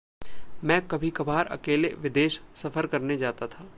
मैं कभी-कभार अकेले विदेश सफ़र करने जाता था।